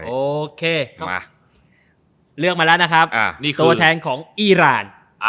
โอเคเลือกมาแล้วนะครับตัวแทนของอีราน